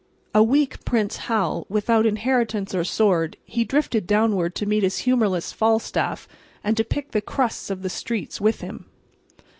A weak Prince Hal, without inheritance or sword, he drifted downward to meet his humorless Falstaff, and to pick the crusts of the streets with him.